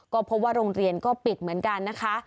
ก็พบว่าโรงเรียนก็ปิดเหมือนกันนะคะ